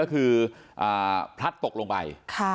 ๑คือพรัดตกลงไป